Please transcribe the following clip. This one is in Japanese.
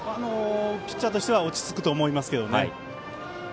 ピッチャーとしては落ち着くと思います。